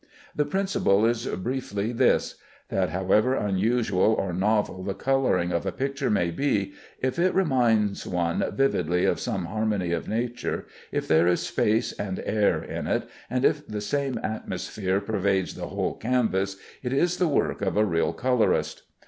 The principle is briefly this: That however unusual or novel the coloring of a picture may be, if it reminds one vividly of some harmony of nature, if there is space and air in it, and if the same atmosphere pervades the whole canvas, it is the work of a real colorist.